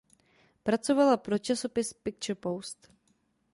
Pracovala pro časopis "Picture Post".